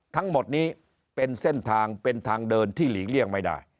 ทั้งหมดนี้เป็นเส้นทางเป็นทางเดินที่หลีกเลี่ยงไม่ได้